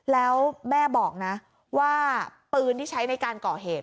แล้วแม่บอกนะว่าปืนที่ใช้ในการก่อเหตุ